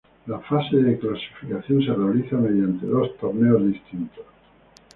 La fase de clasificación se realizará mediante dos torneos distintos.